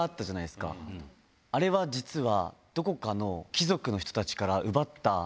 あれは実は。